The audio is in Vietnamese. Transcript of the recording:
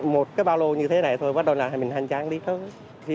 một cái bao lô như thế này thôi bắt đầu là mình hành trang đi thôi